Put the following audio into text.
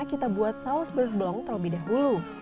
kita buat saus beurre blanc terlebih dahulu